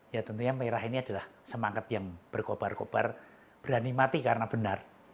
ya tentunya merah ini adalah semangat yang berkobar kobar berani mati karena benar